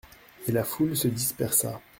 Et la foule se dispersa.